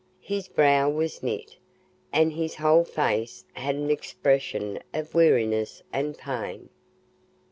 His brow was knit, and his whole face had an expression of weariness and pain.